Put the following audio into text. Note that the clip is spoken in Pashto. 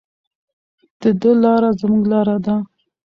د ده لاره زموږ لاره ده.